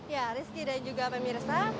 ya rizky dan juga pemirsa